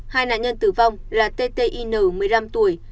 hai nạn nhân tử vong là t t i n một mươi năm tuổi